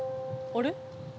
あれ？